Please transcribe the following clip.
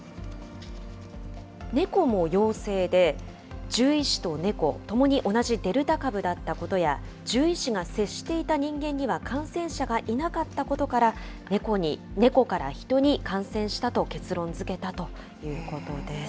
猫も陽性で、獣医師と猫、共に同じデルタ株だったことや、獣医師が接していた人間には感染者がいなかったことから、ネコからヒトに感染したと結論づけたということです。